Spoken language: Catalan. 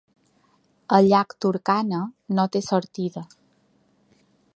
El llac Turkana no té sortida.